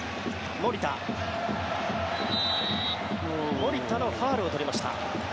守田のファウルを取りました。